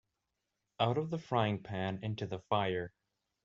Out of the frying-pan into the fire.